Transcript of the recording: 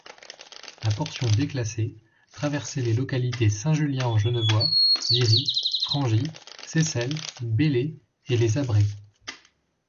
La portion déclassée traversait les localités Saint-Julien-en-Genevois, Viry, Frangy, Seyssel, Belley et Les Abrets.